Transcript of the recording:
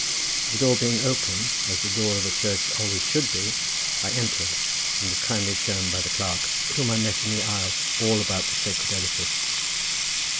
The door being open, as the door of a church always should be, I entered, and was kindly shown by the clerk, whom I met in the aisle, all about the sacred edifice.